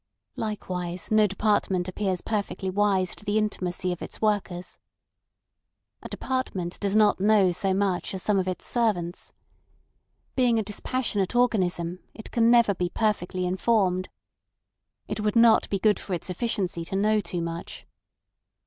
Likewise no department appears perfectly wise to the intimacy of its workers. A department does not know so much as some of its servants. Being a dispassionate organism, it can never be perfectly informed. It would not be good for its efficiency to know too much.